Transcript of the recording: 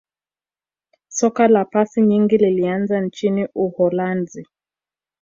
soka la pasi nyingi lilianzia nchini uholanzi